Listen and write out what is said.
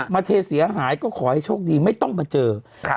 เทเสียหายก็ขอให้โชคดีไม่ต้องมาเจอครับ